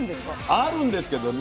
あるんですけどね